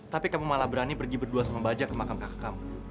tapi kamu malah berani pergi berdua sama baja ke makam kakakmu